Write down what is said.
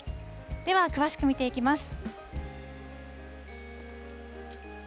では、詳しく見ていきます。